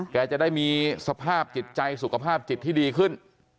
แกจะได้มีสภาพจิตใจสุขภาพจิตที่ดีขึ้น